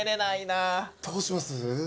どうします？